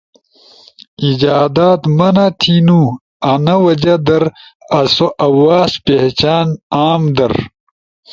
ایجادات منع تھینو، انا وجہ در آسو آواز پہچان عام در